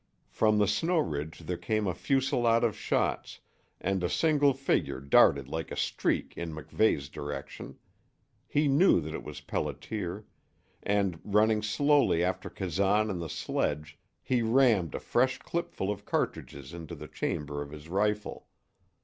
From the snow ridge there came a fusillade of shots, and a single figure darted like a streak in MacVeigh's direction. He knew that it was Pelliter; and, running slowly after Kazan and the sledge, he rammed a fresh clipful of cartridges into the chamber of his rifle.